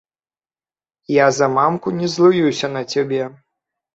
Я за мамку не злуюся на цябе.